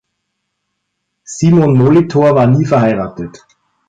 Simon Molitor war nie verheiratet.